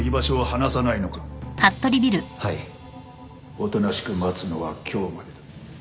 おとなしく待つのは今日までだ。